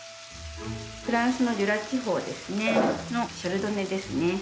フランスのジュラ地方ですねのシャルドネですね。